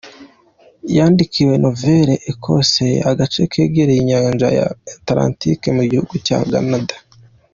Yandikiwe Nouvelle-Écosse, agace kegereye inyanja ya Atlantique mu gihugu cya Canada.